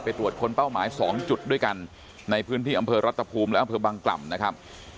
ตรวจค้นเป้าหมาย๒จุดด้วยกันในพื้นที่อำเภอรัตภูมิและอำเภอบังกล่ำนะครับ